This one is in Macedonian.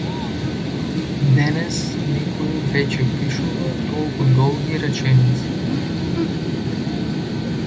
Денес никој веќе пишува толку долги реченици.